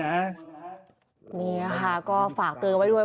นี่ค่ะก็ฝากเตือนไว้ด้วย